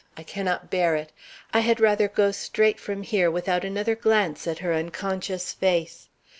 I cannot bear it. I had rather go straight from here without another glance at her unconscious face.